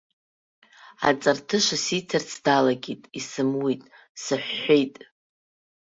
Аҵарҭыша сиҭарц далагеит, исымуит, сыҳәҳәеит.